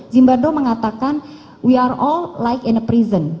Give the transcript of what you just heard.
zimbardo mengatakan we are all like in a prison